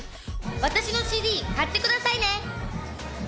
私のＣＤ買ってくださいね！